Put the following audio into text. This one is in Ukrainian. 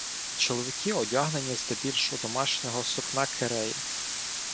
Чоловіки одягнені здебільш у домашнього сукна киреї.